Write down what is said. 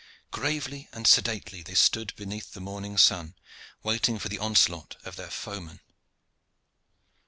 Gravely and sedately they stood beneath the morning sun waiting for the onslaught of their foemen.